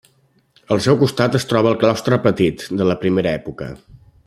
Al seu costat es troba el claustre Petit, de la primera època.